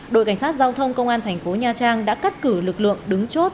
đội cảnh sát giao thông công an thành phố nha trang đã cắt cử lực lượng đứng chốt